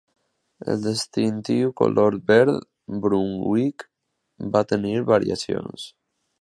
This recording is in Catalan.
El distintiu color verd Brunswick va tenir variacions.